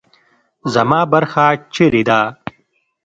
زما برخه چیرې ده؟